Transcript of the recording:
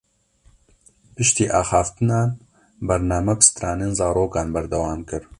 Piştî axaftinan, bername bi stranên zarokan berdewam kir